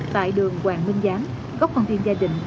tại đường hoàng minh giám góc con tin gia đình